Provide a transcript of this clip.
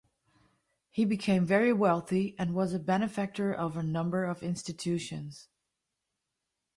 He became very wealthy and was a benefactor of a number of institutions.